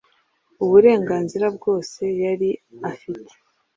uburenganzira bwose yari afite